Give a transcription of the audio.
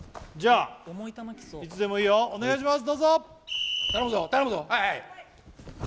はいいつでもいいよお願いします